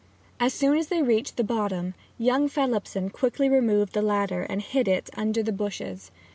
As soon as they reached the bottom, young Phelipson quickly removed the ladder and hid it under the bushes.